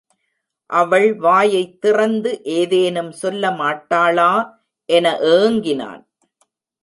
அவள் வாயைத் திறந்து ஏதேனும் சொல்ல மாட்டாளா என ஏங்கினான்.